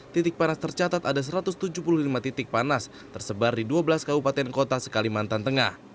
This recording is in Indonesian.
titik panas tercatat ada satu ratus tujuh puluh lima titik panas tersebar di dua belas kabupaten kota sekalimantan tengah